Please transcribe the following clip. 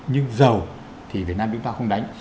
nhưng dầu thì việt nam chúng ta không đánh